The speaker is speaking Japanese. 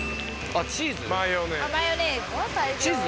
チーズ？